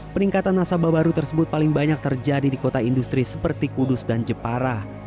peningkatan nasabah baru tersebut paling banyak terjadi di kota industri seperti kudus dan jepara